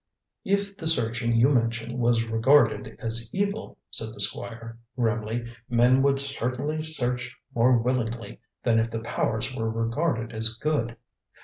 "If the searching you mention was regarded as evil," said the Squire grimly, "men would certainly search more willingly than if the powers were regarded as good.